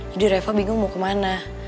jadi reva bingung mau kemana